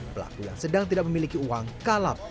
pelaku yang sedang tidak memiliki uang kalap